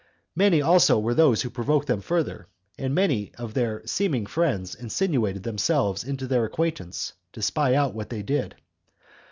Many also there were who provoked them further, and many of their [seeming] friends insinuated themselves into their acquaintance, to spy out what they did.